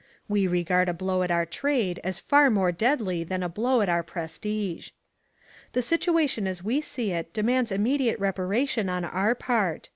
We regard a blow at our trade as far more deadly than a blow at our prestige. "The situation as we see it demands immediate reparation on our part.